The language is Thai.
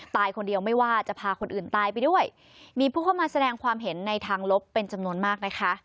ตายคนเดียวไม่ว่าจะพาคนอื่นตายไปด้วยมีผู้เข้ามาแสดงความเห็นในทางลบเป็นจำนวนมากนะคะ